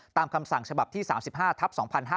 ตามคำสั่งฉบับที่๓๕ทับ๒๕๕๙